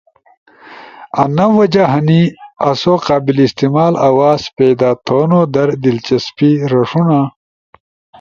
انا وجہ ہنی آسو قابل استعمال آواز پیدا تھونو در دلچسپی رݜونا!